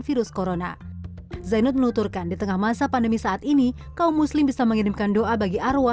virus corona zainud menuturkan di tengah masa pandemi saat ini kaum muslim bisa mengirimkan doa bagi arwa